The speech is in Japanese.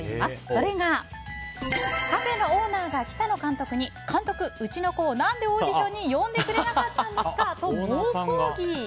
それが、カフェのオーナーが北野監督に監督、うちの子を何でオーディションに呼んでくれなかったんですかと猛抗議。